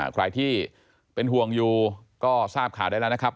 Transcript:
ใครที่เป็นห่วงอยู่ก็ทราบข่าวได้แล้วนะครับ